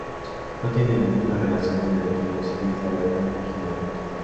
No tiene ninguna relación con el antiguo ciclista Bernard Hinault.